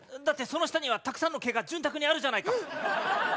だってその下にはたくさんの毛が潤沢にあるじゃないか。